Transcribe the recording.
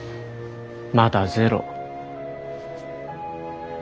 まだゼロ。